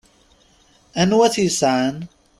Anwa i t-yesƐan?